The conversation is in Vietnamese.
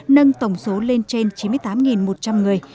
nâng tổng số lên trên chín mươi tám một trăm linh người